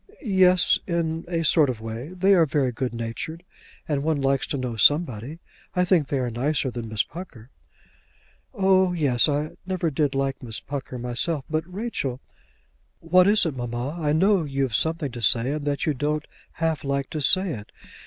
"Yes; in a sort of a way. They are very good natured, and one likes to know somebody. I think they are nicer than Miss Pucker." "Oh, yes; I never did like Miss Pucker myself. But, Rachel " "What is it, mamma? I know you've something to say, and that you don't half like to say it.